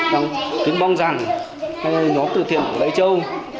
chúng tôi mong rằng nhóm thư thiện của lê châu